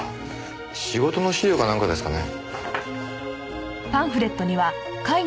仕事の資料かなんかですかね？